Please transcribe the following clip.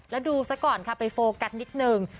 แล้วดูซะก่อนค่ะไปโฟกัสนิดนึง